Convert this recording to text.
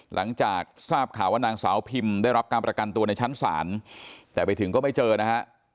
หลังจากทราบข่าวว่านางสาวพิมได้รับการประกันตัวในชั้นศาลแต่ไปถึงก็ไม่เจอนะฮะ